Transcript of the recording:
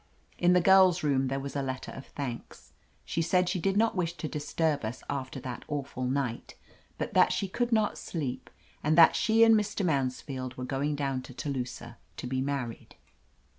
In the girl's room there was a letter of thanks. She said she did not wish to disturb us after that awful night, but that she could not sleep, and that she and Mr. Mansfield were going down to Telusah to be married.